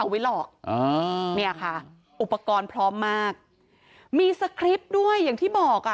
ไว้หลอกอ่าเนี่ยค่ะอุปกรณ์พร้อมมากมีสคริปต์ด้วยอย่างที่บอกอ่ะ